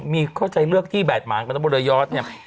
มีก็จะเลือกที่บาดหมางบริยอทแนะ